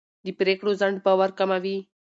د پرېکړو ځنډ باور کموي